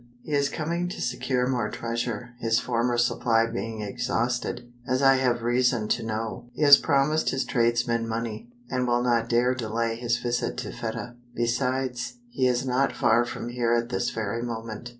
"He is coming to secure more treasure, his former supply being exhausted, as I have reason to know. He has promised his tradesmen money, and will not dare delay his visit to Fedah. Besides, he is not far from here at this very moment.